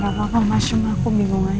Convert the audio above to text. gak apa apa mas cuma aku bingung aja